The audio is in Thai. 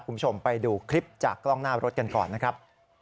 คุณผู้ชมไปดูคลิปจากกล้องหน้ารถกันก่อนนะครับ